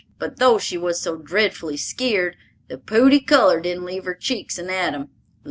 But though she was so dreadfully skeered, the pooty color didn't leave her cheeks an atom.